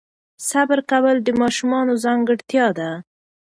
صبر کول د ماشومانو ځانګړتیا ده.